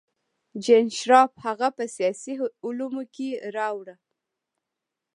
جین شارپ هغه په سیاسي علومو کې راوړه.